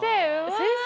先生